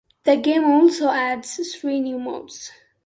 The game also adds three new modes.